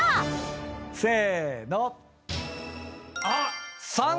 あっ！